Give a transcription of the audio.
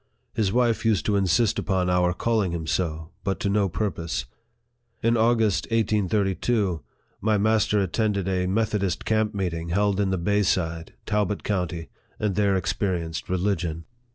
His wife used to insist upon our calling him so, but to no purpose. In August, 1832, my master attended a Methodist camp meeting held in the Bay side, Talbo? county, and there experienced religion.